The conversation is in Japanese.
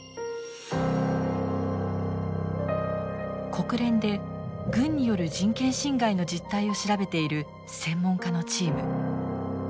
国連で軍による人権侵害の実態を調べている専門家のチーム。